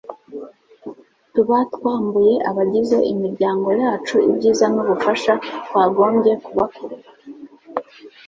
tuba twambuye abagize imiryango yacu ibyiza n'ubufasha twagombye kubakorera